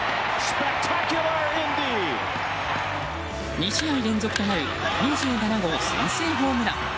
２試合連続となる２７号先制ホームラン。